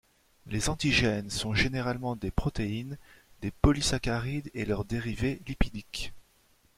Les antigènes sont généralement des protéines, des polysaccharides et leurs dérivés lipidiques.